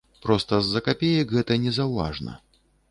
Проста з-за капеек гэта незаўважна.